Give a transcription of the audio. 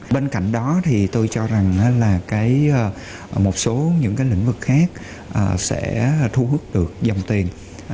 bên cạnh đó thì tôi cho rằng là một số những cái lĩnh vực khác sẽ thu hút được dòng tiền